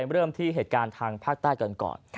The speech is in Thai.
เริ่มที่เหตุการณ์ทางภาคใต้กันก่อน